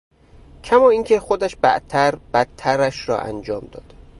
کما این که خودش بعدتر بدترش را انجام داد